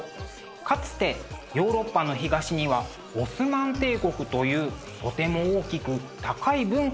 かつてヨーロッパの東にはオスマン帝国というとても大きく高い文化を持つ国がありました。